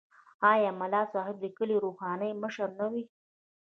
آیا ملا صاحب د کلي روحاني مشر نه وي؟